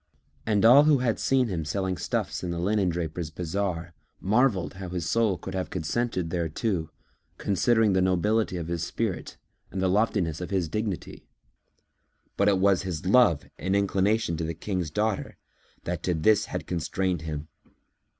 And all who had seen him selling stuffs in the linendrapers' bazar marvelled how his soul could have consented thereto, considering the nobility of his spirit and the loftiness of his dignity; but it was his love and inclination to the King's daughter that to this had constrained him.